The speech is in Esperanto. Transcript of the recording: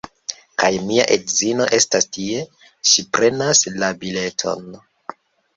Kaj mia edzino estas tie, ŝi prenas la bileton